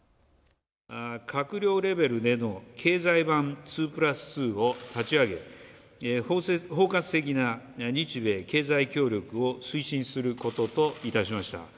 閣僚レベルでの経済版２プラス２を立ち上げ、包括的な日米経済協力を推進することといたしました。